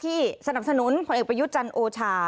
ที่สนับสนุนผลเอกประยุจรรย์โอชา